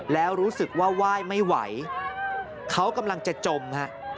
แล้วรู้สึกว่าไหว้ไม่ไหวเขากำลังจะจมฮะ